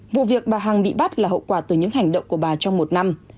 vụ việc bà hằng bị bắt là hậu quả từ những hành động của bà trong một năm